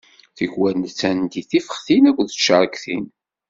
Tikwal nettandi tifextin akked ticeṛktin.